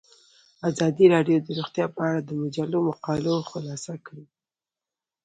ازادي راډیو د روغتیا په اړه د مجلو مقالو خلاصه کړې.